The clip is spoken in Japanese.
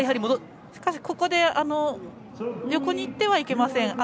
しかしここで横に行ってはいけません。